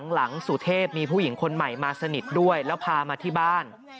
สุเทพมีผู้หญิงคนใหม่มาสนิทด้วยแล้วพามาที่บ้าน